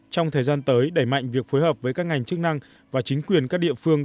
trong thời gian tới đẩy mạnh việc phối hợp với các ngành chức năng và chính quyền các địa phương